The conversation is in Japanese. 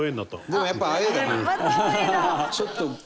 でもやっぱアウェイだな。